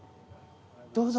どうぞ。